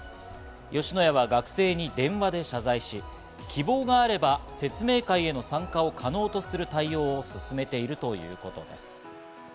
吉野家は学生に電話で謝罪し、希望があれば説明会への参加を可能とする対応を進めているということです。